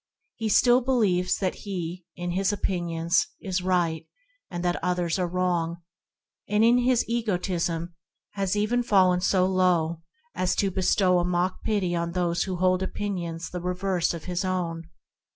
He still believes that in his opinions he is right and others wrong; in his egotism he has even fallen so low as to bestow a mock pity on those who hold opinions the reverse of his own.